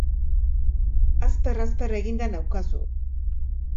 Asper-asper eginda naukazu!